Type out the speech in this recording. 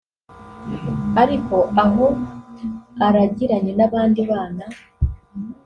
Ariko aho aragiranye n’abandi bana